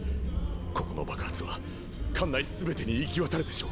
ここの爆発は艦内全てに行き渡るでしょう。